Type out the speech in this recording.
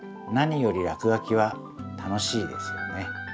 何よりらくがきは楽しいですよね。